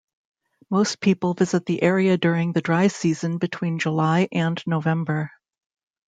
Most people visit the area during the dry season between July and November.